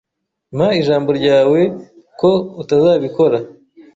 Mpa ijambo ryawe ko utazabikora.